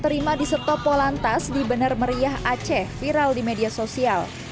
terima di setop polantas di benar meriah aceh viral di media sosial